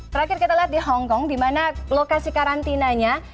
terakhir kita lihat di hongkong di mana lokasi karantinanya